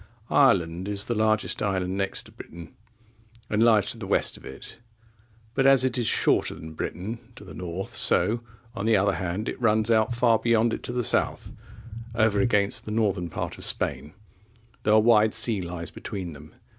Ireland is the largest island next to Britain, and lies to the west of it; but as it is shorter than Britain to the north, so, on the other hand, it runs out far beyond it to the south, over against the northern part of Spain, though a wide sea lies between them.